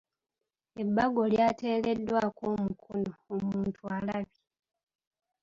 Ebbago lyateereddwako omukono, omuntu alabye!